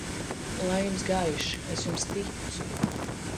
Lai jums gaiši Es jums ticu!